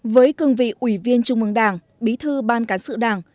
với cương vị ủy viên trung mương đảng bí thư ban cán sự đảng